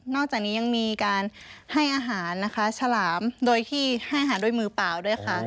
อกจากนี้ยังมีการให้อาหารนะคะฉลามโดยที่ให้อาหารด้วยมือเปล่าด้วยค่ะ